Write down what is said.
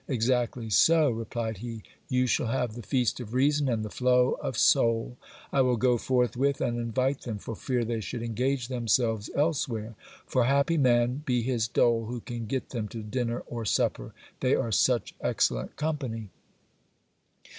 Exactly so, replied he. You shall have the feast of reason and the flow of soul. I will go forthwith and invite them, for fear they should engage themselves elsewhere ; for happy man be his dole who can get them to dinner or supper ; they are such excellent company